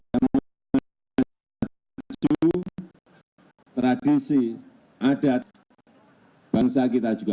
kita maju tradisi adat bansa kita juga